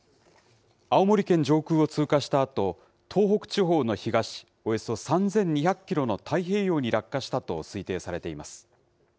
青森県上空を通過したあと、東北地方の東およそ３２００キロの太平洋に落下したと推定されています。